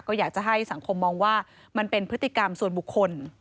ก็อยากจะให้สังคมมองว่ามันเป็นพฤติกรรมส่วนบุคคล